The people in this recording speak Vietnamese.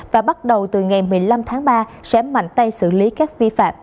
và bắt đầu từ ngày một mươi năm tháng ba sẽ mạnh tay xử lý các vi phạm